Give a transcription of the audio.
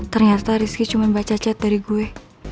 ternyata rizky cuma baca chat dari gue